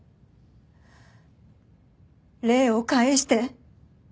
礼を返して！